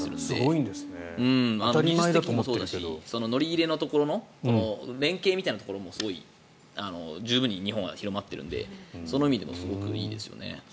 乗り入れのところの連携みたいなところも十分に日本は広まっているのでその意味でもすごくいいですよね。